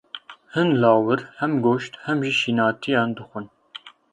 Hin lawir hem goşt hem jî şînatiyan dixwin.